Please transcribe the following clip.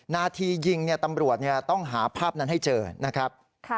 นาทียิงตำรวจต้องหาภาพนั้นให้เจอนะครับ